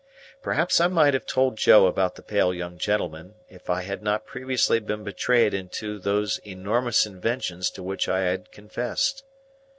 Perhaps I might have told Joe about the pale young gentleman, if I had not previously been betrayed into those enormous inventions to which I had confessed.